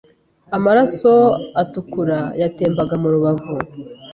Amaraso atukura yatembaga mu rubavu